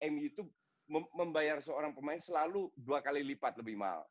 mu itu membayar seorang pemain selalu dua kali lipat lebih mahal